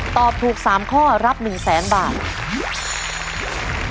ตอบถูก๓ข้อรับ๑๐๐๐๐๐บาท